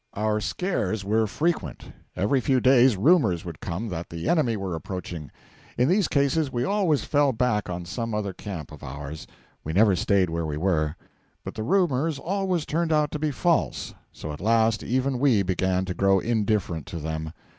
Our scares were frequent. Every few days rumours would come that the enemy were approaching. In these cases we always fell back on some other camp of ours; we never stayed where we were. But the rumours always turned out to be false; so at last even we began to grow indifferent to them.